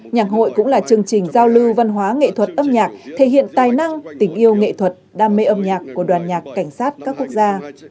nhạc hội cũng là chương trình giao lưu văn hóa nghệ thuật âm nhạc thể hiện tài năng tình yêu nghệ thuật đam mê âm nhạc của đoàn nhạc cảnh sát các quốc gia